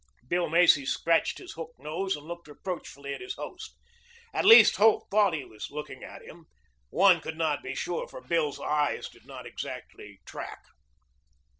Bill Macy scratched his hook nose and looked reproachfully at his host. At least Holt thought he was looking at him. One could not be sure, for Bill's eyes did not exactly track.